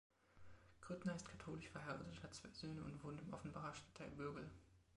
Grüttner ist katholisch, verheiratet, hat zwei Söhne und wohnt im Offenbacher Stadtteil Bürgel.